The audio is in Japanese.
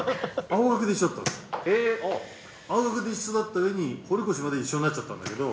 「青学で一緒だった上に堀越まで一緒になっちゃったんだけど」